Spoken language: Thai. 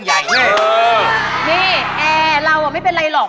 นี่แอร์เราไม่เป็นไรหรอก